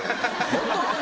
ホント？